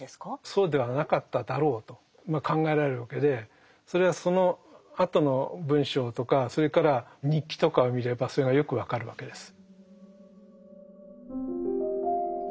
そうではなかっただろうと考えられるわけでそれはそのあとの文章とかそれから日記とかを見ればそれがよく分かるわけです。